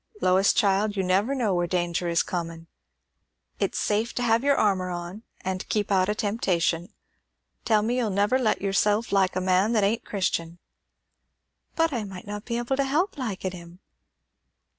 "Lois, child, you never know where danger is comin'. It's safe to have your armour on, and keep out o' temptation. Tell me you'll never let yourself like a man that ain't Christian!" "But I might not be able to help liking him."